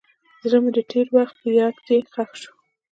زړه مې د تېر وخت په یاد کې ښخ شو.